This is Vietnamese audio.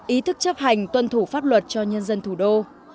ý thức chấp hành tuân thủ pháp luật cho nhân dân thủ đô